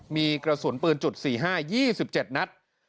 มีกระสุนปืนจุด๔๕ยี่สิบเจ็ดนัด